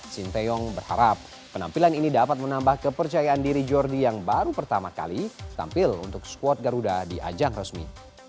sinteyong berharap penampilan ini dapat menambah kepercayaan diri jordi yang baru pertama kali tampil untuk squad garuda di ajang resmi